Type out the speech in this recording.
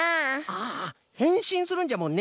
ああへんしんするんじゃもんね。